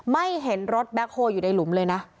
ไม่เห็นรถแบ็คโฮลอยู่ในหลุมเลยนะ